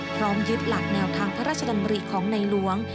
พร้อมยึดหลักแนวทางพระราชดำริของในหลวง